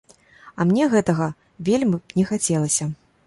А мне гэтага вельмі б не хацелася.